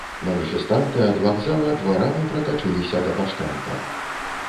Маніфестанты ад вакзала дварамі пратачыліся да паштамта.